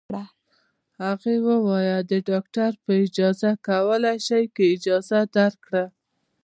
هغې وویل: د ډاکټر په اجازه کولای شې، که یې اجازه درکړه.